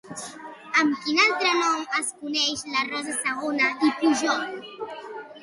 Amb quin altre nom es coneix la Rosa Segona i Pujol?